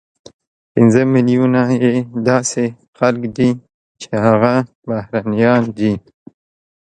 پنځه ملیونه یې داسې خلک دي چې هغه بهرنیان دي،